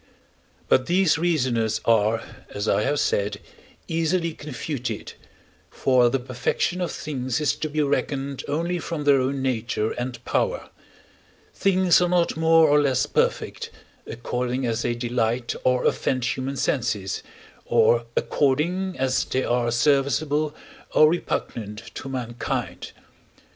But these reasoners are, as I have said, easily confuted, for the perfection of things is to be reckoned only from their own nature and power; things are not more or less perfect, according as they delight or offend human senses, or according as they are serviceable or repugnant to mankind.